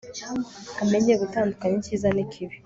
amenye gutandukanya ikiza nikibi